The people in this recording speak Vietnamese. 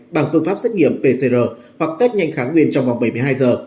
bằng phương pháp xét nghiệm pcr hoặc test nhanh kháng nguyên trong vòng bảy mươi hai giờ